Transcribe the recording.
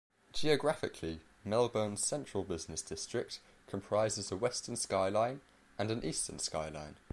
Geographically, Melbourne's central business district comprises a western skyline and an eastern skyline.